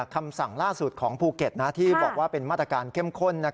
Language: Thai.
คำสั่งล่าสุดของภูเก็ตที่บอกว่าเป็นมาตรการเข้มข้น